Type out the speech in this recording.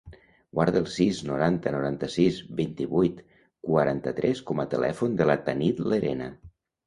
Guarda el sis, noranta, noranta-sis, vint-i-vuit, quaranta-tres com a telèfon de la Tanit Lerena.